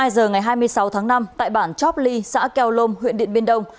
hai mươi hai giờ ngày hai mươi sáu tháng năm tại bản chóp ly xã kèo lông huyện điện biên đông